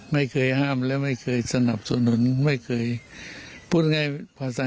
ไม่เคยห้ามและไม่เคยสนับสนุนไม่เคยพูดง่ายภาษา